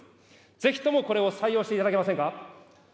ぜひともこれを採用していただけませんか。